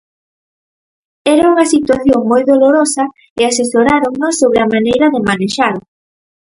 Era unha situación moi dolorosa e asesoráronnos sobre a maneira de manexala.